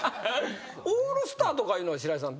オールスターとかいうのは白井さんどうですか？